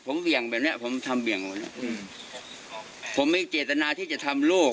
ผมเบี่ยงแบบเนี้ยผมทำเบี่ยงไว้เนี้ยอืมผมมีเจตนาที่จะทำลูก